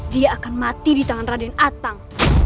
dia akan mati di tangan raden atang